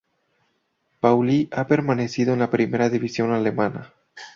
Pauli ha permanecido en la primera división alemana.